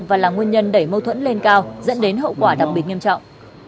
và là nguyên nhân đẩy mâu thuẫn lên cao dẫn đến hậu quả đặc biệt nghiêm trọng